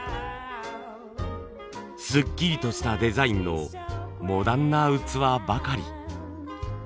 すっきりとしたデザインのモダンな器ばかり。